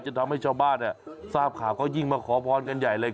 ทำให้ชาวบ้านทราบข่าวก็ยิ่งมาขอพรกันใหญ่เลย